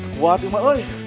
kuat nama woy